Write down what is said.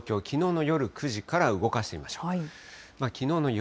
きのうの夜９時から動かしてみましょう。